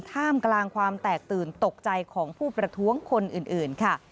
ท่ามกลางความแตกตื่นตกใจของผู้ประท้วงคนอื่นค่ะ